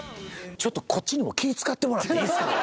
ちょっとこっちにも気ぃ使ってもらっていいですか？